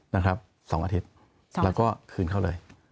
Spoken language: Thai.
นะครับ๒อาทิตย์แล้วก็คืนเขาเลย